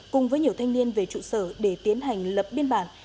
cùng với nhiều thanh niên về trụ sở để tiến hành lập biên bản